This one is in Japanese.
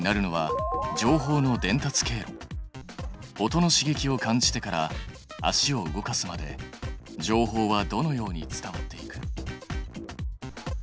音の刺激を感じてから足を動かすまで情報はどのように伝わっていく？